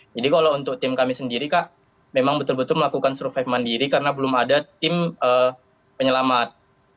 jadi kalau untuk tim kami sendiri kak memang betul betul melakukan survive mandiri karena belum ada tim penyelamat